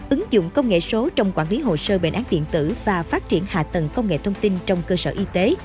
ứng dụng công nghệ số trong quản lý hồ sơ bệnh án điện tử và phát triển hạ tầng công nghệ thông tin trong cơ sở y tế